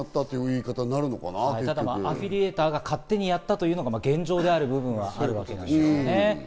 アフィリエイターが勝手にやったというのが現状である部分はあるわけですよね。